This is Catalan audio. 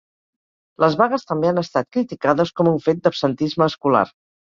Les vagues també han estat criticades com un fet d'absentisme escolar.